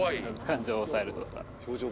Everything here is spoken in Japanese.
感情を抑える動作。